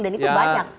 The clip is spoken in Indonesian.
dan itu banyak